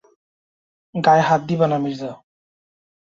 গায়ে হাত দিবানা, মির্জা।